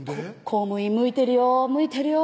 「公務員向いてるよ向いてるよ」